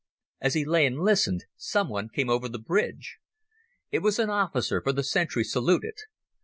As he lay and listened someone came over the bridge. It was an officer, for the sentry saluted.